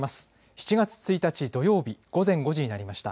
７月１日土曜日午前５時になりました。